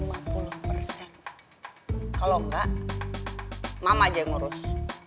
kalau enggak mama aja ngurus